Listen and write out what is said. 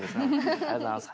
ありがとうございます。